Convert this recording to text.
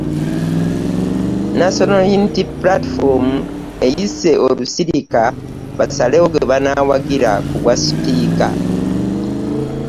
National Unity Platform eyise olusirika basalewo gwe banaawagira ku bwa sipiika